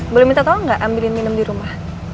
boleh minta tolong nggak ambilin minum di rumah